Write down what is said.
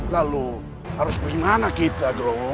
lalu harus bagaimana kita